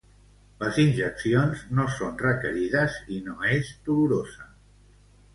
Les injeccions no són requerides i no és dolorosa.